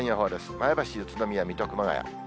前橋、宇都宮、水戸、熊谷。